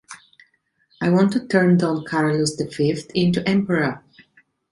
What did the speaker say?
I want to turn Don Carlos V into emperor.